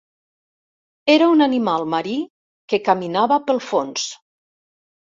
Era un animal marí que caminava pel fons.